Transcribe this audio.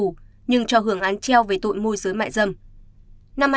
tù nhưng cho hưởng án treo về tội môi giới mại dâm